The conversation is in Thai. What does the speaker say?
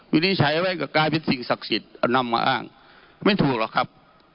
วิธีนี้ใช้ไว้กับการผิดสิ่งศักดิ์สิทธิ์นำมาอ้างไม่ถูกหรอกครับ